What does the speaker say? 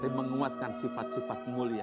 tapi menguatkan sifat sifat mulia